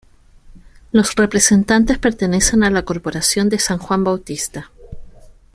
Los representantes pertenecen a la Corporación de San Juan Bautista.